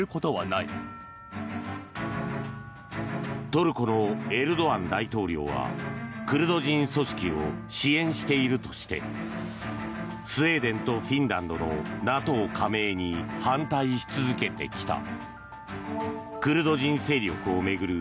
トルコのエルドアン大統領はクルド人組織を支援しているとしてスウェーデンとフィンランドのＮＡＴＯ加盟に反対し続けてきた。